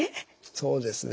そうですね。